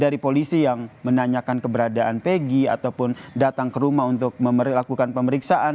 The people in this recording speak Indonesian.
dari polisi yang menanyakan keberadaan pegi ataupun datang ke rumah untuk melakukan pemeriksaan